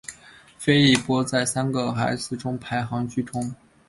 菲利波在三个孩子中排行居中。